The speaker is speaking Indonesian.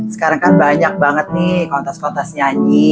sekarang banyak sekali kontes kontes nyanyi